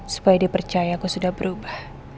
supaya dia percaya aku sudah berubah